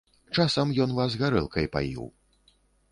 Часам ён вас гарэлкай паіў.